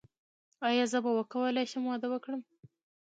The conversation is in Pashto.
ایا زه به وکولی شم واده وکړم؟